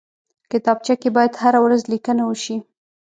کتابچه کې باید هره ورځ لیکنه وشي